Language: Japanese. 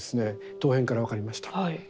陶片から分かりました。